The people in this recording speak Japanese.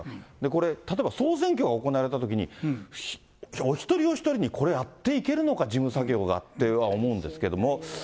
これ、例えば総選挙が行われたときに、お一人お一人にこれやっていけるのか、事務作業がって思うんですけれども。